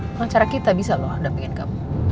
pengacara kita bisa loh dampingin kamu